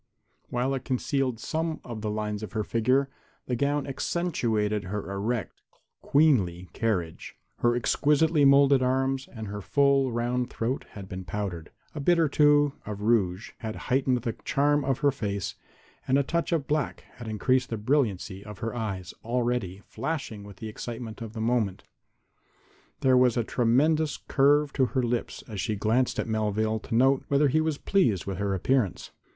While it concealed some of the lines of her figure, the gown accentuated her erect, queenly carriage. Her exquisitely molded arms and her full, round throat had been powdered, a bit or two of rouge had heightened the charm of her face and a touch of black had increased the brilliancy of her eyes, already flashing with the excitement of the moment. There was a tremulous curve to her lips as she glanced at Melvale to note whether he was pleased with her appearance.